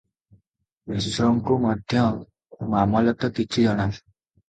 ମିଶ୍ରଙ୍କୁ ମଧ୍ୟ ମାମଲତ କିଛି ଜଣା ।